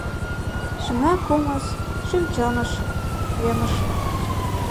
Шыҥа кумыс шӱм-чоныш, вемыш...